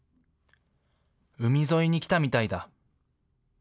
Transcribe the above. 海沿いに来たみたいだ。